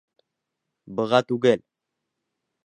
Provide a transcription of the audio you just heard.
Быға түгел.